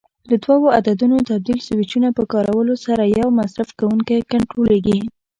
له دوو عددونو تبدیل سویچونو په کارولو سره یو مصرف کوونکی کنټرولېږي.